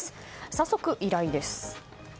早速、依頼です。